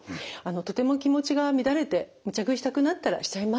とても気持ちが乱れてむちゃ食いしたくなったらしちゃいます。